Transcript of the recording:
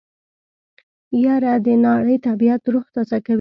يره د ناړۍ طبعيت روح تازه کوي.